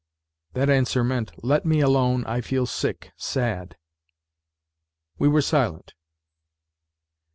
That answer meant " Let me alone; I feel sick, sad." We were silent.